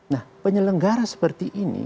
nah penyelenggara seperti ini